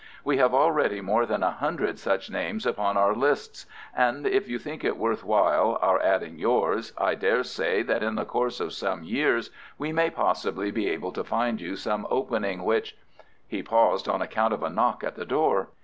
We have already more than a hundred such names upon our lists, and if you think it worth while our adding yours, I daresay that in the course of some years we may possibly be able to find you some opening which——" He paused on account of a knock at the door.